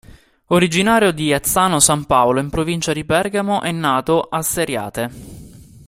Originario di Azzano San Paolo in provincia di Bergamo e nato a Seriate.